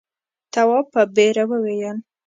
تواب په بېره وویل.